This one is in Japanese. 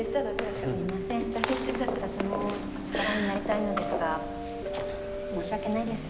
私も力になりたいのですが申し訳ないです。